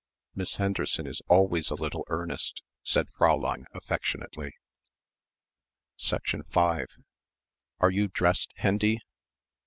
"Miss Henderson is always a little earnest," said Fräulein affectionately. 5 "Are you dressed, Hendy?"